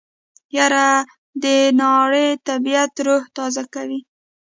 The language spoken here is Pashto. يره د ناړۍ طبعيت روح تازه کوي.